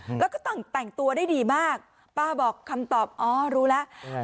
อืมแล้วก็แต่งแต่งตัวได้ดีมากป้าบอกคำตอบอ๋อรู้แล้วอืม